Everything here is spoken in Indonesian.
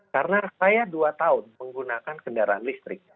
karena saya dua tahun menggunakan kendaraan listrik